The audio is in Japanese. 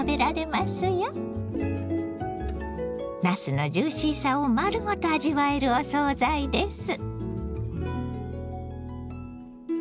なすのジューシーさを丸ごと味わえるお総菜です。